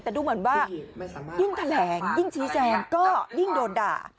แต่ดูเหมือนว่ายิ่งแถลงยิ่งชี้แจงก็ยิ่งโดนด่า